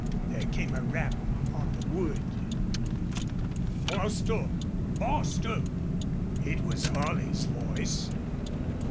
There came a rap on the wood. "Bostil! ... Bostil!" It was Holley's voice.